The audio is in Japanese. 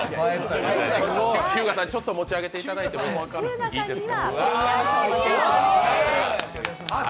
日向さん、ちょっと持ち上げていただいてもいいですか。